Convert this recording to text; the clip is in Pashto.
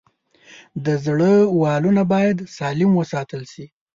د زړه والونه باید سالم وساتل شي.